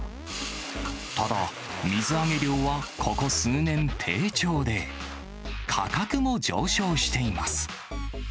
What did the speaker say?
ただ、水揚げ量はここ数年、低調で、価格も上昇しています。